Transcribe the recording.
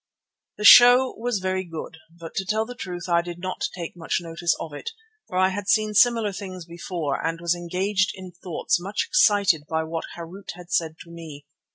The show was very good, but to tell the truth I did not take much notice of it, for I had seen similar things before and was engaged in thoughts much excited by what Harût had said to me.